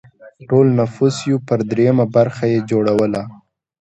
د ټول نفوس یو پر درېیمه برخه یې جوړوله.